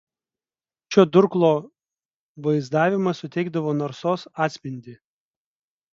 Šio durklo vaizdavimas suteikdavo narsos atspindį.